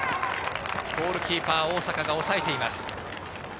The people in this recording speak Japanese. ゴールキーパー・大阪が抑えています。